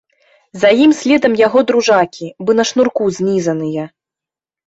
За ім следам яго дружакі, бы на шнурку знізаныя.